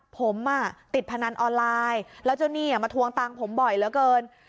ผมติดพนันออนไลน์แล้วเจ้าหนี้มาทวงตังค์ผมบ่อยเหลือเกิน